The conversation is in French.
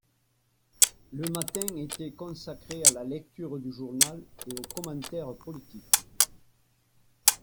le matin était consacré à la lecture du journal et aux commentaires politiques.